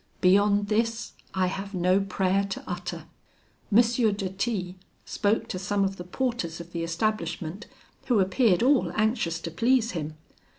Beyond this, I have no prayer to utter.' "M. de T spoke to some of the porters of the establishment, who appeared all anxious to please him.